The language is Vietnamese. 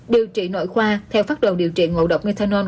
điều trị nội khoa theo phát đồ điều trị ngộ độc methanol